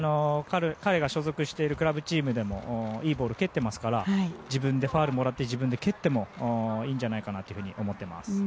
彼が所属しているクラブチームでもいいボールを蹴っていますから自分でファウルをもらって自分で蹴ってもいいんじゃないかなと思っています。